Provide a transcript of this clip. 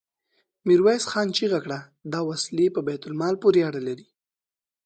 ميرويس خان چيغه کړه! دا وسلې په بيت المال پورې اړه لري.